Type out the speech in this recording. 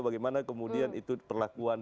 bagaimana kemudian itu perlakuan